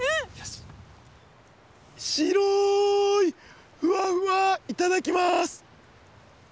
白いふわふわ頂きます。